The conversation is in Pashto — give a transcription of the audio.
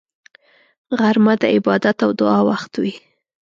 غرمه د عبادت او دعا وخت وي